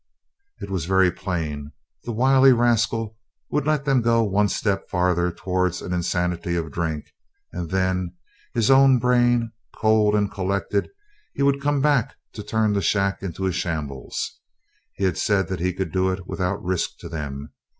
It was very plain. The wily rascal would let them go one step farther toward an insanity of drink, and then, his own brain cold and collected, he would come back to turn the shack into a shambles. He had said he could do it without risk to them.